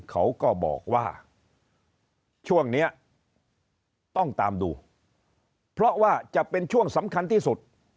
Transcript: เขาก็บอกว่าช่วงนี้ต้องตามดูเพราะว่าจะเป็นช่วงสำคัญที่สุด